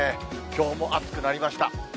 きょうも暑くなりました。